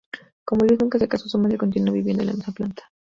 Como Luis nunca se casó, su madre continuó viviendo en la misma planta.